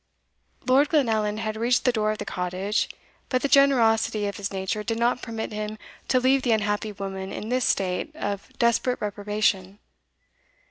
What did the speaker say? Lord Glenallan had reached the door of the cottage, but the generosity of his nature did not permit him to leave the unhappy woman in this state of desperate reprobation.